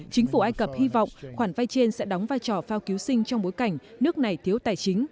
chính phủ ai cập hy vọng khoản vay trên sẽ đóng vai trò phao cứu sinh trong bối cảnh nước này thiếu tài chính